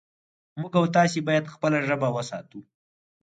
موږ او تاسې باید خپله ژبه وساتو